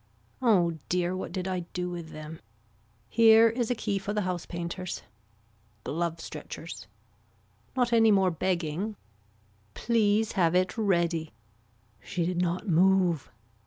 Oh dear what did I do with them. Here is a key for the house painters. Glove stretchers. Not any more begging. Please have it ready. She did not move.